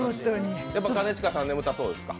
やっぱり兼近さん眠たそうですか？